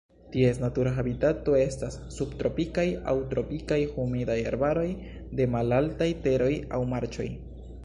Ties natura habitato estas subtropikaj aŭ tropikaj humidaj arbaroj de malaltaj teroj aŭ marĉoj.